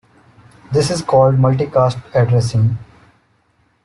This is called multicast addressing.